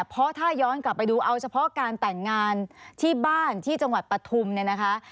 เพราะถ้าย้อนกลับไปดูเอาเฉพาะการแต่งงานที่บ้านที่จังหวัดปฐุมเนี่ยนะคะ